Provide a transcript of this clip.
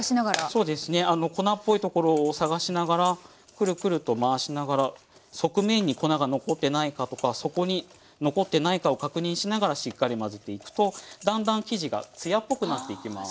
そうですね粉っぽいところを探しながらクルクルと回しながら側面に粉が残ってないかとか底に残ってないかを確認しながらしっかり混ぜていくとだんだん生地がツヤっぽくなっていきます。